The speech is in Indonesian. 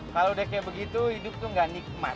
kalau udah kayak begitu hidup tuh gak nikmat